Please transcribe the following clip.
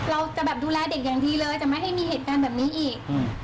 เราจะแบบดูแลเด็กอย่างดีเลยจะไม่ให้มีเหตุการณ์แบบนี้อีก